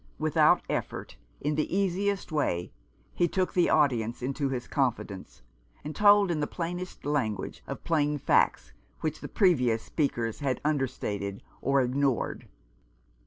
Without effort, in the easiest way, he took the audience into his confidence, and told in the plainest language of plain facts which the previous speakers had under stated or ignored.